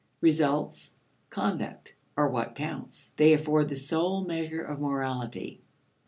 Results, conduct, are what counts; they afford the sole measure of morality.